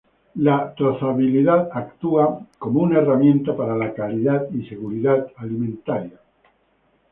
La trazabilidad actúa como una herramienta para la calidad y seguridad alimentaria.